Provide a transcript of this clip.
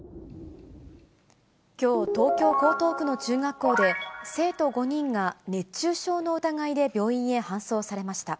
きょう、東京・江東区の中学校で、生徒５人が熱中症の疑いで病院へ搬送されました。